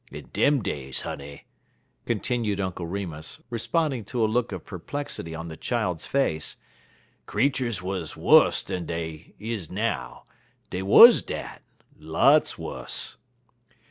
In dem days, honey," continued Uncle Remus, responding to a look of perplexity on the child's face, "creeturs wuz wuss dan w'at dey is now. Dey wuz dat lots wuss.